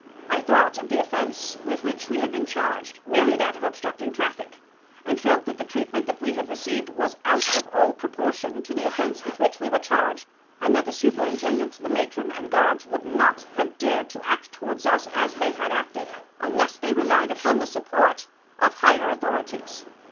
I thought of the offense with which we had been charged,—merely that of obstructing traffic,—and felt that the treatment that we had received was out of all proportion to the offense with which we were charged, and that the superintendent, the matron and guards would not have dared to act towards us as they had acted unless they relied upon the support of higher authorities.